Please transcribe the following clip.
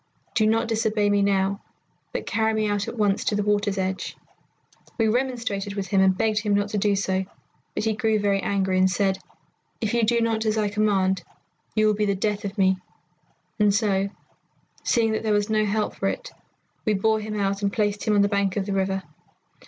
Do not disobey me now, but carry me out at once to the water's edge.' "We remonstrated with him and begged him not to do so, but he grew very angry, and said, 'If you do not as I command, you will be the death of me'; and so, seeing that there was no help for it, we bore him out and placed him on the bank of the river.